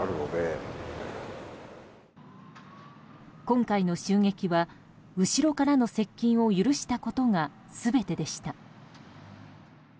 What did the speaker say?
今回の襲撃は後ろからの接近を許したことが全てでした。